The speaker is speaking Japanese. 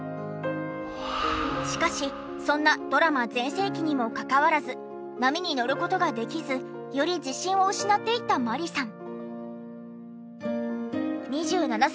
しかしそんなドラマ全盛期にもかかわらず波に乗る事ができずより自信を失っていった万里さん。